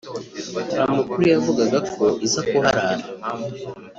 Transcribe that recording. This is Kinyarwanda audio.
hari amakuru yavugaga ko iza kuharara